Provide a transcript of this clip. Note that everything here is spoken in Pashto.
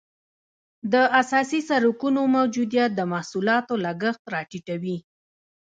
د اساسي سرکونو موجودیت د محصولاتو لګښت را ټیټوي